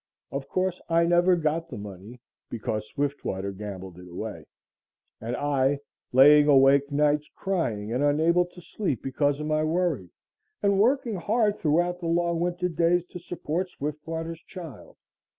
Of course, I never got the money because Swiftwater gambled it away, and I laying awake nights crying and unable to sleep because of my worry, and working hard throughout the long winter days to support Swiftwater's child.